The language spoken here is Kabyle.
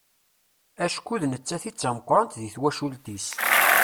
Acku d nettat i d tameqqrant deg twacult-is.